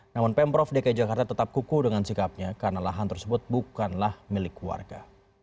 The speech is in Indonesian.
namun pemprov dki jakarta tetap kuku dengan sikapnya karena lahan tersebut bukanlah milik warga